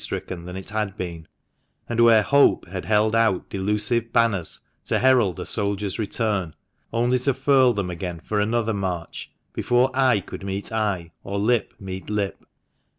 stricken than it had been — and where Hope had held out delusive banners to herald a soldier's return, only to furl them again for another march, before eye could meet eye, or lip meet lip.